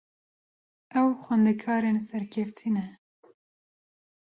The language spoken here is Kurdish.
Ew xwendekarên serkeftî ne.